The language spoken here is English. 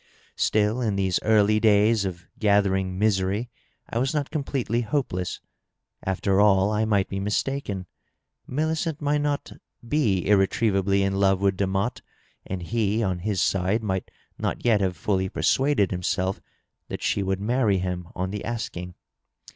Still, in these early days of gathering misery I was not completely hopeless. After all, I might be mistaken. Millicent might not be irre trievably in love with Demotte, and he, on his side, might not yet have fully persuaded himself that she would marry him on the asking.